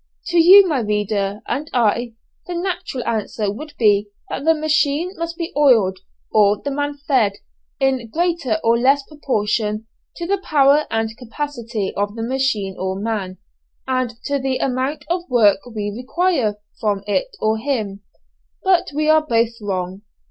To you, my reader, and I, the natural answer would be that the machine must be oiled, or the man fed, in greater or less proportion to the power and capacity of the machine or man, and to the amount of work we require from it or him. But we are both wrong.